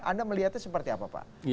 anda melihatnya seperti apa pak